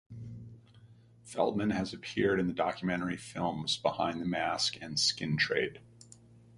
Feldmann has appeared in the documentary films "Behind The Mask" and Skin Trade.